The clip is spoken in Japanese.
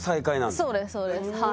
そうですそうですはい。